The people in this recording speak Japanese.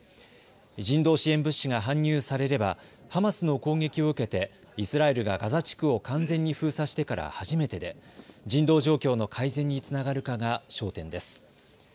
人道支援物資が搬入されればハマスの攻撃を受けてイスラエルがガザ地区を完全に封鎖してから初めてで人道状況の改善につながるかが焦点です。